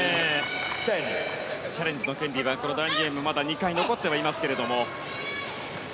チャレンジの権利は第２ゲームまだ２回、残ってはいますが。